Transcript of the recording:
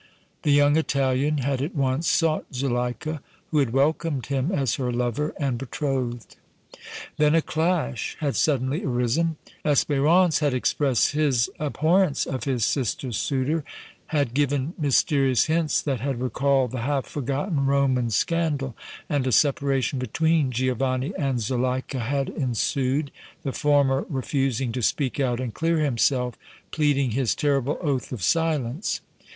The young Italian had at once sought Zuleika, who had welcomed him as her lover and betrothed. Then a clash had suddenly arisen; Espérance had expressed his abhorrence of his sister's suitor, had given mysterious hints that had recalled the half forgotten Roman scandal, and a separation between Giovanni and Zuleika had ensued, the former refusing to speak out and clear himself, pleading his terrible oath of silence.